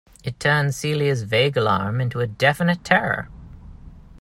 It turned Celia's vague alarm into a definite terror.